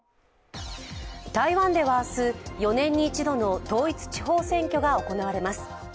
台湾では明日、４年に一度の統一地方選挙が行われます。